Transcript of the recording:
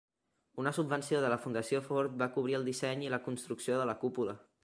Una subvenció de la Fundació Ford va cobrir el disseny i la construcció de la cúpula.